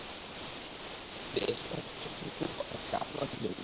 কিন্তু এই সমাজ কিছুটা সুরক্ষিত আছে, আপনাদের জন্য।